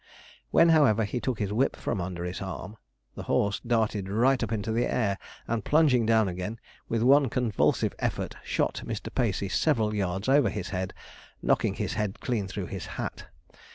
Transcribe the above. When, however, he took his whip from under his arm, the horse darted right up into the air, and plunging down again, with one convulsive effort shot Mr. Pacey several yards over his head, knocking his head clean through his hat.